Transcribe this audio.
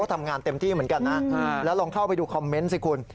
ทำงานเต็มที่เหมือนกันนะแล้วลองเข้าไปดูคอมเมนต์สิคุณ